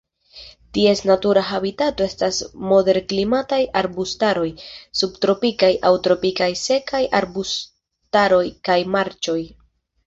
Ties natura habitato estas moderklimataj arbustaroj, subtropikaj aŭ tropikaj sekaj arbustaroj kaj marĉoj.